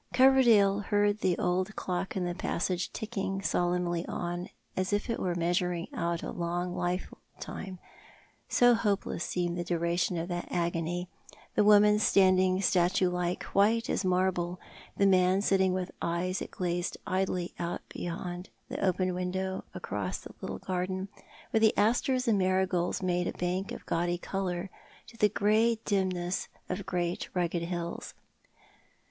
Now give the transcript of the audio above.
Coverdale heard the old clock in the passage ticking solemnly on, as if it were measuring out a long lifetime, so hopeless seemed the duration of that agony ; the woman standing statue like, white as marble; the man sitting with eyes that gazed idly out beyond the open window, across the little garden, where the asters and marigolds made a bank of gaudy colour, to the grey dimness of great rugged hills.